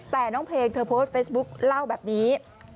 แต่น้องเพลงเธอโพสต์เฟซบุ๊คเล่าแบบนี้